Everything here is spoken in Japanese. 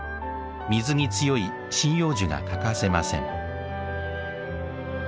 水に強い針葉樹が欠かせません